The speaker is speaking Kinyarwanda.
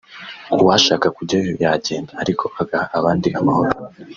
uwashaka kujyayo yagenda ariko agaha abandi amahoro